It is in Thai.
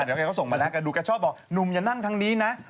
เดี๋ยวแกก็ส่งมาแล้วแกดูแกชอบบอกหนุ่มอย่านั่งทางนี้นะ